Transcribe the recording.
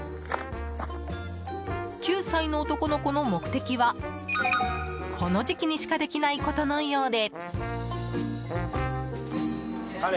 ９歳の男の子の目的はこの時期にしかできないことのようで。